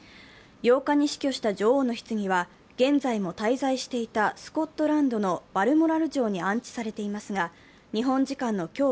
８日に死去した女王のひつぎは現在も滞在していたスコットランドのバルモラル城に安置されていますが日本時間の今日